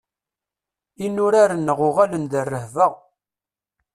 Inurar-nneɣ uɣalen d rrehba.